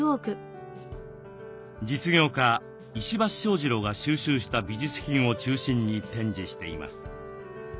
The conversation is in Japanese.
実業家石橋正二郎が収集した美術品を中心に展示しています。